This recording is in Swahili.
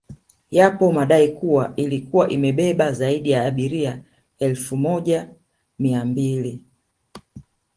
Yapo madai kuwa ilikuwa imebeba zaidi ya abiria elfu moja mia mbili